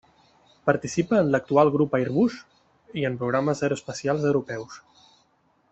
Participa en l'actual Grup Airbus i en programes aeroespacials europeus.